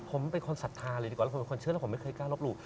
ผมเป็นคนศรัทธาเลยดีกว่าแล้วผมเป็นคนเชื่อแล้วผมไม่เคยกล้าลบหลู่